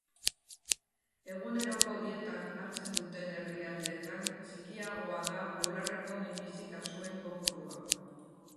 Eguneroko dietan hartzen duten herrialdeetan txikiagoa da bularreko minbizi-kasuen kopurua.